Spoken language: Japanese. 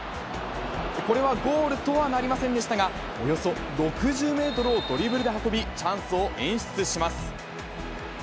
これはゴールとはなりませんでしたが、およそ６０メートルをドリブルで運び、チャンスを演出します。